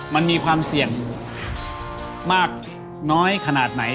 มันมีความเสี่ยงมากน้อยขนาดไหน